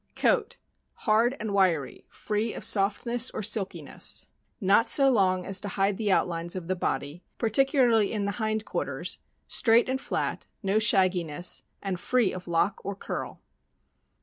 Coat. — Hard and wiry, free of softness or silkiness, not THE IRISH TERRIER. 423 so long as to hide the outlines of the body, particularly in the hind quarters, straight and flat, no shagginess, and free of lock or curl.